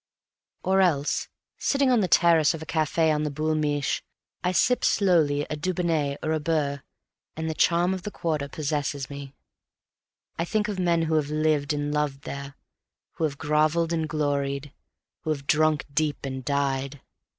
_" Or else, sitting on the terrace of a cafe on the Boul' Mich', I sip slowly a Dubonnet or a Byrrh, and the charm of the Quarter possesses me. I think of men who have lived and loved there, who have groveled and gloried, who have drunk deep and died.